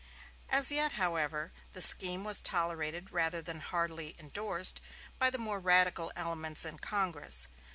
As yet, however, the scheme was tolerated rather than heartily indorsed by the more radical elements in Congress.